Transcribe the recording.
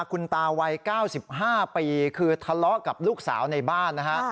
คุณตาวัย๙๕ปีคือทะเลาะกับลูกสาวในบ้านนะฮะ